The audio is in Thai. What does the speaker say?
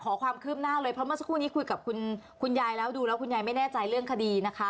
เพราะเมื่อสักครู่นี้คุยกับคุณยายแล้วดูแล้วคุณยายไม่แน่ใจเรื่องคดีนะคะ